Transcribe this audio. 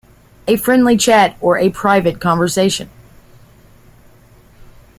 A friendly chat or a private conversation.